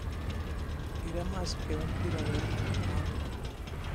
Era más que un tirador nato.